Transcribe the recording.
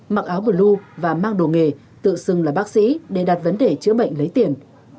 mặc áo blue và mang đồ nghề tự xưng là bác sĩ để đặt vấn đề chữa bệnh lấy tiền